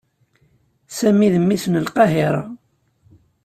Sami d mmi-s n Lqahiṛa.